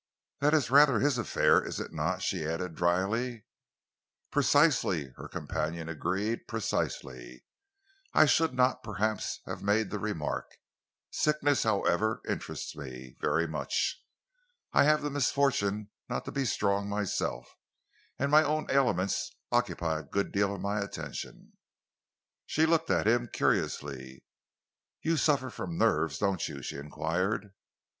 "That is rather his affair, is it not?" she said drily. "Precisely," her companion agreed. "Precisely! I should not, perhaps, have made the remark. Sickness, however, interests me very much. I have the misfortune not to be strong myself, and my own ailments occupy a good deal of my attention." She looked at him curiously. "You suffer from nerves, don't you?" she enquired.